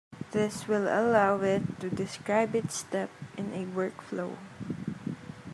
This will allow it to describe its step in a workflow.